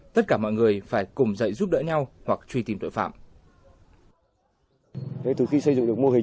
tất cả mọi người phải cùng dạy giúp đỡ nhau hoặc truy tìm tội phạm